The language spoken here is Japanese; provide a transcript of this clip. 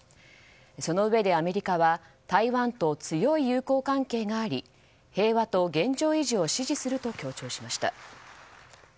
そのうえでアメリカは台湾と強い友好関係があり平和と現状維持を支持すると強調しました。